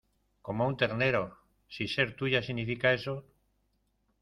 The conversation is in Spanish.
como a un ternero. si ser tuya significa eso ...